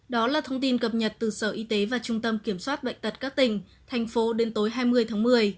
đó là thông tin cập nhật từ sở y tế và trung tâm kiểm soát bệnh tật các tỉnh thành phố đến tối hai mươi tháng một mươi